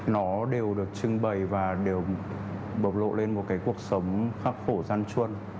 nó đều được trưng bày và đều bộc lộ lên một cái cuộc sống khắc khổ gian chuân